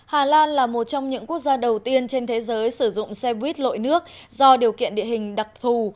hà lan là một trong những quốc gia đầu tiên trên thế giới sử dụng xe buýt lội nước do điều kiện địa hình đặc thù